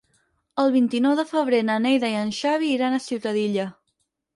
El vint-i-nou de febrer na Neida i en Xavi iran a Ciutadilla.